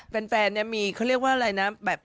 แฟนเนี่ยมีเขาเรียกว่าอะไรนะแบบ